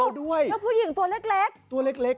แล้วผู้หญิงตัวเล็ก